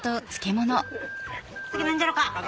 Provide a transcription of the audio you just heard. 次何じゃろか？